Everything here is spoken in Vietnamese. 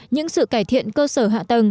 những sự cải thiện cơ sở hạ tầng